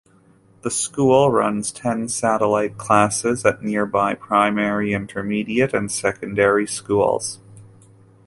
The school runs ten satellite classes at nearby primary, intermediate and secondary schools.